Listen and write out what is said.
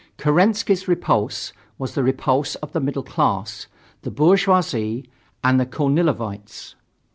Kerensky's repulse was the repulse of the middle class, the bourgeoisie and the Kornilovites.